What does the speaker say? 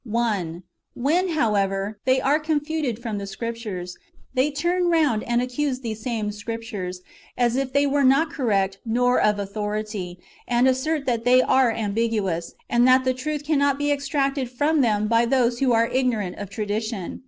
1. When, however, they are confuted from the Scriptures, they turn round and accuse these same Scriptures, as if they were not correct, nor of authority, and [assert] that they are ambiguous, and that the truth cannot be extracted from them by those who are ignorant of tradition.